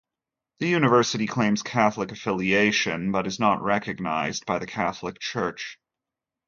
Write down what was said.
The university claims Catholic affiliation, but is not recognized by the Catholic Church.